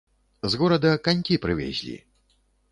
З горада канькі прывезлі.